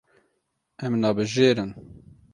Em nabijêrin.